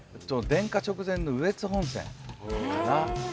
電化直前の羽越本線かな？